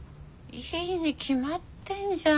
いいに決まってんじゃん。